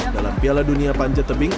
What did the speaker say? dalam piala dunia panjat tebing